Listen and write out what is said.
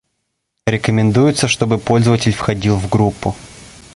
Рекомендуется чтобы пользователь входил в группу